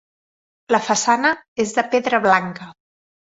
La façana és de pedra blanca.